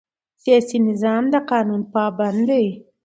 سیاسي نظام د قانون پابند دی